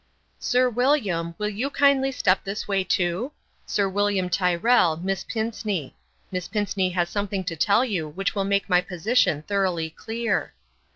" Sir William, will you kindly step this way too ? Sir William Tyrrell Miss Pinceney. Miss Pinceney has something to tell you which will make my position thoroughly clear."